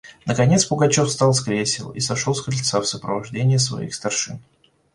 Наконец Пугачев встал с кресел и сошел с крыльца в сопровождении своих старшин.